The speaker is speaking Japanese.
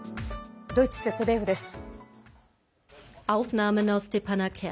ドイツＺＤＦです。